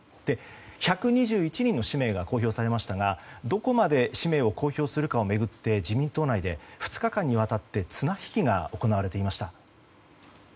１２１人の氏名が公表されましたがどこまで氏名を公表するかを巡って自民党内で２日間にわたって綱引きが行われていました。